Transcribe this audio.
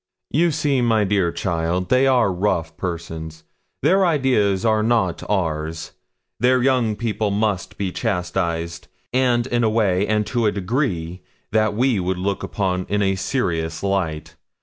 'You see, my dear child, they are rough persons; their ideas are not ours; their young people must be chastised, and in a way and to a degree that we would look upon in a serious light.